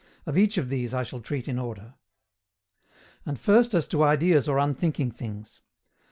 Of each of these I shall treat in order. And first as to ideas or unthinking things.